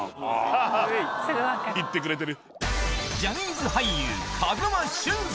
行ってくれてる。